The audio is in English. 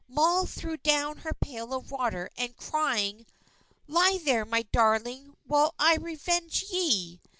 Moll threw down her pail of water; and crying, "Lie there, my darling, while I revenge ye!"